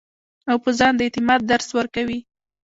او پۀ ځان د اعتماد درس ورکوي -